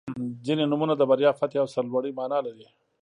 • ځینې نومونه د بریا، فتحې او سرلوړۍ معنا لري.